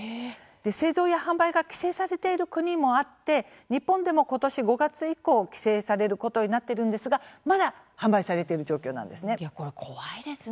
製造や販売が規制されている国もあって、日本でも今年５月以降、規制されることになっているんですがまだ販売されている状況なんですね。